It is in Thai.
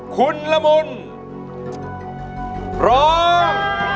คุณละมุนร้อง